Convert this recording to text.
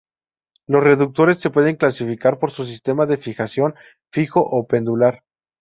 Los reductores se pueden clasificar por sus sistema de fijación, fijo o pendular.